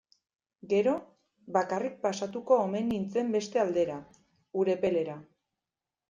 Gero, bakarrik pasatuko omen nintzen beste aldera, Urepelera.